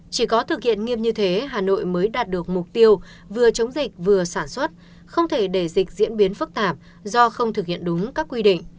chỉ có thực hiện nghiêm như thế hà nội mới đạt được mục tiêu vừa chống dịch vừa sản xuất không thể để dịch diễn biến phức tạp do không thực hiện đúng các quy định